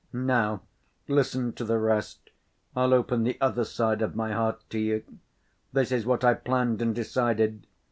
Now listen to the rest; I'll open the other side of my heart to you. This is what I planned and decided.